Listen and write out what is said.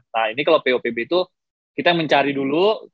nah ini kalau popb itu kita yang mencari dulu